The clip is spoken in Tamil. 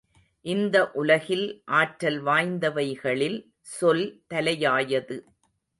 இந்த உலகில் ஆற்றல் வாய்ந்தவைகளில் சொல் தலையாயது.